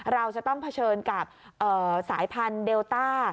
เราจะต้องเผชิญกับสายพันธุ์เดลต้า